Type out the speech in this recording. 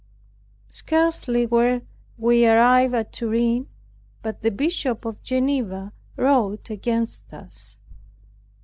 Scarcely were we arrived at Turin, but the Bishop of Geneva wrote against us.